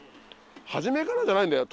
初めからじゃないんだよ